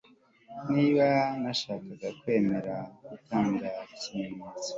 Niba nashakaga kwemera gutanga ikimenyetso